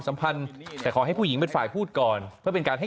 สัมพันธ์แต่ขอให้ผู้หญิงเป็นฝ่ายพูดก่อนเพื่อเป็นการให้